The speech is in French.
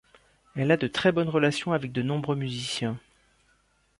Elle a de très bonnes relations avec de nombreux musiciens.